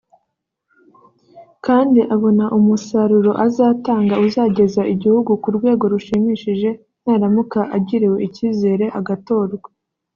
kandi abona umusaruro azatanga uzageza igihugu ku rwego rushimishije naramuka agiriwe icyizere agatorwa